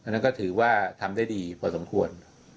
นั่นก็ถือว่าทำได้ดีพอสมควร